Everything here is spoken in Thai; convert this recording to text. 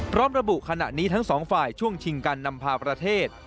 ระบุขณะนี้ทั้งสองฝ่ายช่วงชิงการนำพาประเทศ